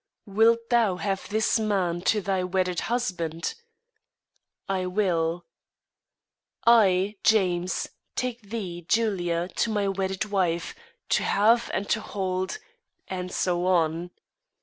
"Wilt thou have this man to thy wedded husband?" "I will." "I, James, take thee, Julia, to my wedded wife, to have and to hold " and so on.